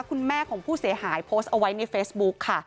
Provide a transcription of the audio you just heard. คุณแม่ของผู้เสียหายโพสต์เอาไว้ในเฟซบุ๊คค่ะ